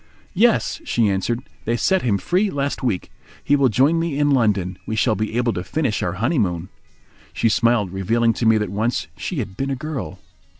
"Yes," she answered. "They set him free last week. He will join me in London. We shall be able to finish our honeymoon." She smiled, revealing to me that once she had been a girl.